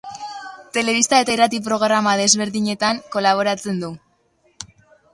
Telebista eta irrati programa desberdinetan kolaboratzen du.